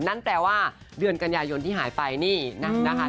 นั่นแปลว่าเดือนกันยายนที่หายไปนี่นะคะ